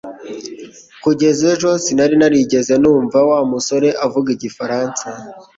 Kugeza ejo, sinari narigeze numva Wa musore avuga igifaransa